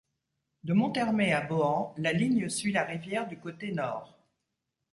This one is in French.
De Monthermé à Bohan, la ligne suit la rivière du côté nord.